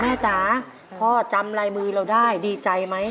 จ๋าพ่อจำลายมือเราได้ดีใจไหม